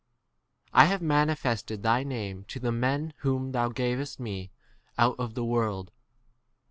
I have manifested thy name to the men whom thou gavest me out of the world.